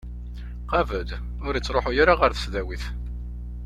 Qabel, ur ittruḥu ara ɣer tesdawit